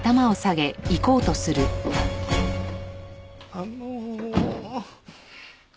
あの。